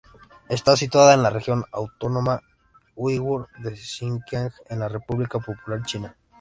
Está situada en la Región Autónoma Uigur de Sinkiang, en la República Popular China.